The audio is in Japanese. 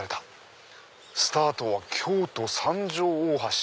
スタートは京都・三条大橋！